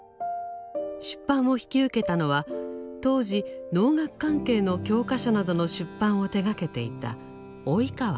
出版を引き受けたのは当時農学関係の教科書などの出版を手がけていた及川四郎でした。